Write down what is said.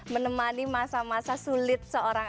menemani masa masa sulit seorang